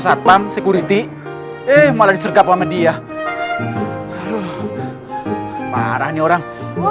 satpam security eh malah disergap sama dia aduh parah nih orang